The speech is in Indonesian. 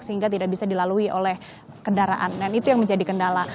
sehingga tidak bisa dilalui oleh kendaraan dan itu yang menjadi kendala